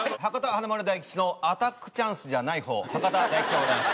華丸・大吉のアタックチャンスじゃない方博多大吉でございます。